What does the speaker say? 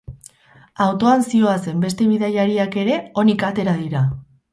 Autoan zihoazen beste bidaiariak ere onik atera dira.